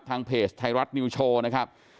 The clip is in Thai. ทางเพจไทยรัฐนิวโชว์นะครับ